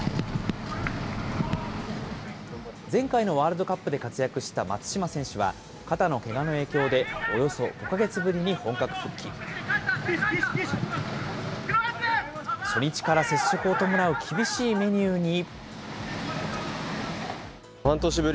前回のワールドカップで活躍した松島選手は、肩のけがの影響で、およそ５か月ぶりに本格復帰。初日から接触を伴う厳しいメニューに。